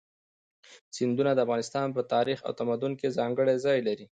سیندونه د افغانستان په تاریخ او تمدن کې ځانګړی ځای لري.